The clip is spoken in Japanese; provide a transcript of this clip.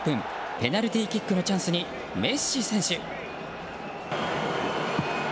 ペナルティーキックのチャンスにメッシ選手。